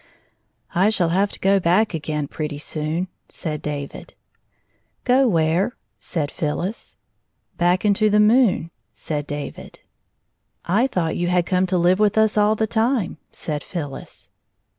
" I shall have to go back again pretty soon," said David. '' Go where ?" said PhyUis. " Back into the moon," said David. " I thought you had come to hve with us all the time," said Phyllis.